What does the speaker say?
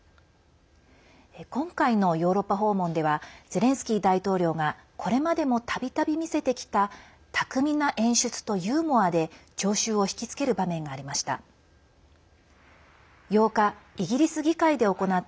今回のヨーロッパ訪問ではゼレンスキー大統領がこれまでも、たびたび見せてきた巧みな演出とユーモアで聴衆を引き付ける場面がありました。